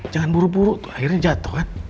jangan buru buru tuh akhirnya jatuh kan